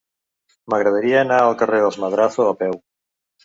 M'agradaria anar al carrer dels Madrazo a peu.